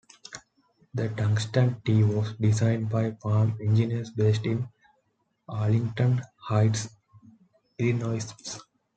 The Tungsten T was designed by Palm engineers based in Arlington Heights, Illinois.